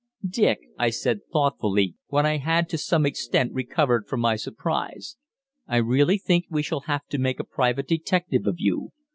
"Dick," I said thoughtfully, when I had to some extent recovered from my surprise, "I really think we shall have to make a private detective of you.